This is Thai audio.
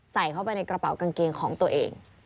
ใส่เข้าไปในกระเป๋ากางเกงของตัวเอง